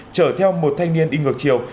chở theo một thanh niên đi ngược chiều